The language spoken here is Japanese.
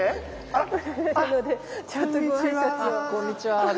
あっこんにちは。